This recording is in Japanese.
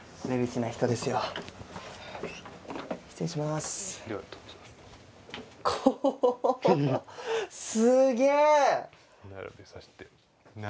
失礼します。